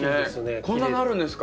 こんななるんですか？